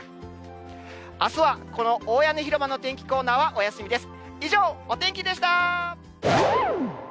あすは、この大屋根広場の天気コーナーはお休みです。